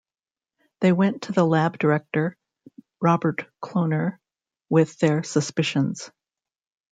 They went to the lab director, Robert Kloner, with their suspicions.